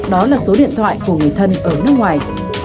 đó là số điện thoại của người thân ở nước ngoài